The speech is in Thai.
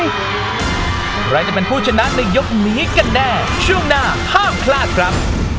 เพราะแม่งจะเป็นผู้ชนะในยกนี้แก่แน่ช่วงหน้าห้ามคลาดครับ